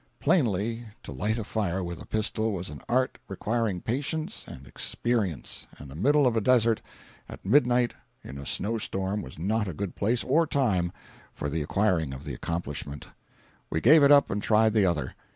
Plainly, to light a fire with a pistol was an art requiring practice and experience, and the middle of a desert at midnight in a snow storm was not a good place or time for the acquiring of the accomplishment. We gave it up and tried the other.